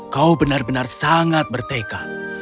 kau benar benar sangat bertekad